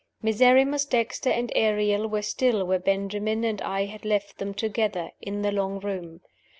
Miserrimus Dexter and Ariel were still where Benjamin and I had left them together in the long room.